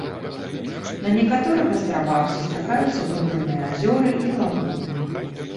На некаторых астравах сустракаюцца ўнутраныя азёры і лагуны.